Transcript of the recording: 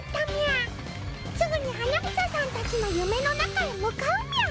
すぐに花房さんたちの夢の中へ向かうみゃ！